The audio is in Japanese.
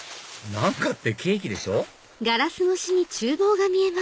「何か」ってケーキでしょ